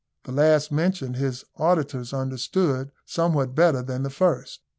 The last mentioned his auditors understood somewhat better than the first.